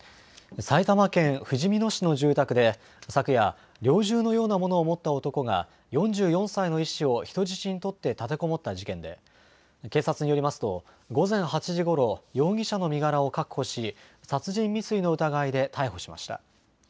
埼玉県ふじみ野市の住宅で昨夜猟銃のようなものを持った男が、４４歳の医師を人質に取って立てこもった事件で警察によりますと午前８時ごろ、容疑者の身柄を確保し、殺人未遂の疑いで逮捕しました。